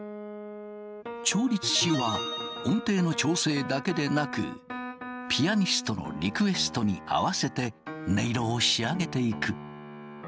調律師は音程の調整だけでなくピアニストのリクエストに合わせて音色を仕上げていく。